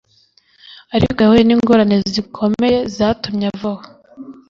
ariko yahuye n'ingorane zikomeye zatumye avaho